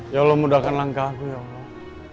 ya allah mudahkan langkahku ya allah